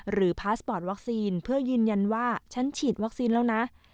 พาสปอร์ตวัคซีนเพื่อยืนยันว่าฉันฉีดวัคซีนแล้วนะ